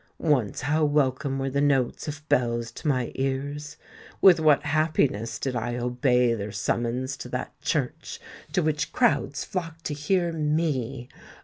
"Once how welcome were the notes of bells to my ears! With what happiness did I obey their summons to that church to which crowds flocked to hear me!